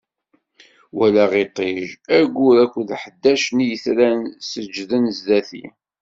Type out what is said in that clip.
Walaɣ iṭij, aggur akked ḥdac n yetran seǧǧden zdat-i.